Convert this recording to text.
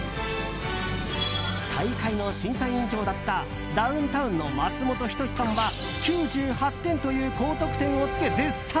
大会の審査委員長だったダウンタウンの松本人志さんは９８点という高得点をつけ絶賛。